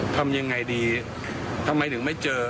ทำยังไงดีทำไมถึงไม่เจอ